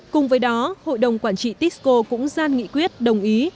cùng với đó hội đồng quản trị tisco cũng gian nghị quyết đồng ý